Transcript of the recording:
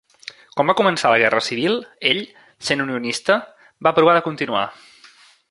Quan va començar la Guerra Civil, ell, sent unionista, va provar de continuar.